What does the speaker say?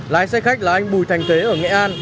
lái xe khách là anh bùi thành thế ở nghệ an